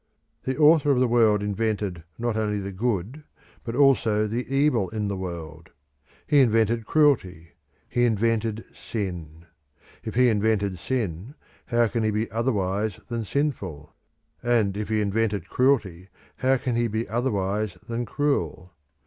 The Author of the world invented not only the good but also the evil in the world; he invented cruelty; he invented sin. If he invented sin how can he be otherwise than sinful? And if he invented cruelty how can he be otherwise than cruel?